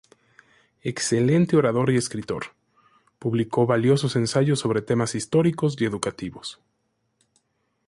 Excelente orador y escritor, publicó valiosos ensayos sobre temas históricos y educativos.